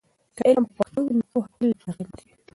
که علم په پښتو وي، نو پوهه تل لپاره قیمتي وي.